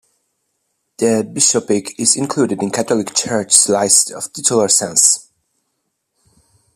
The bishopric is included in the Catholic Church's list of titular sees.